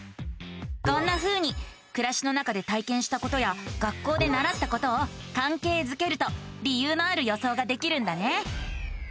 こんなふうにくらしの中で体験したことや学校でならったことをかんけいづけると理由のある予想ができるんだね。